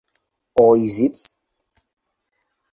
Or is it?